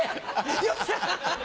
よっしゃ！